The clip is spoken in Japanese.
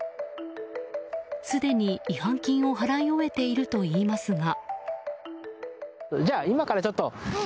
すでに違反金を払い終えているといいますが。